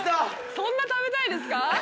そんな食べたいですか？